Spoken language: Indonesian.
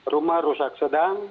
rumah rusak sedang